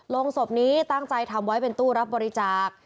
โรงศพนี้ตั้งใจทำไว้เป็นตู้รับบริจาค